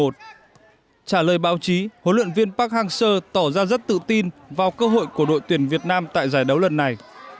trả lời báo chí huấn luyện viên park hang seo tỏ ra rất tự tin vào cơ hội của đội tuyển việt nam tại giải đấu lần này